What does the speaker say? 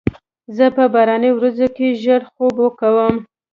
زه په باراني ورځو کې ژر خوب کوم.